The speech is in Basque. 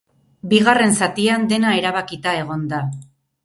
Bigarren zatian dena erabakita egon da.